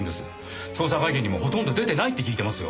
捜査会議にもほとんど出てないって聞いてますよ。